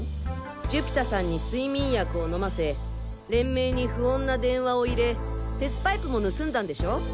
寿飛太さんに睡眠薬を飲ませ連盟に不穏な電話を入れ鉄パイプも盗んだんでしょ？